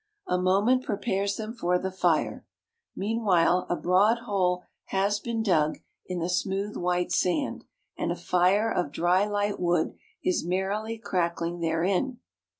A moment prepares them for the fire. Meanwhile a broad hole has been dug in the smooth white sand; and a fire of dry light wood is merrily crackling therein.